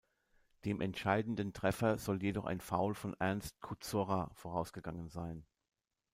Dem entscheidenden Treffer soll jedoch ein Foul von Ernst Kuzorra vorausgegangen sein.